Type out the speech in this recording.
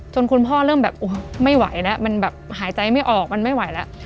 คุณพ่อเริ่มแบบไม่ไหวแล้วมันแบบหายใจไม่ออกมันไม่ไหวแล้ว